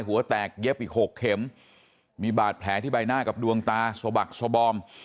หัวแตกเย็บอีกหกเข็มมีบาดแผลที่ใบหน้ากับดวงตาสบักสบอม